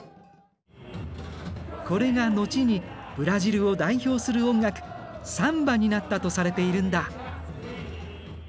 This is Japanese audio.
これが後にブラジルを代表する音楽サンバになったとされているんだ。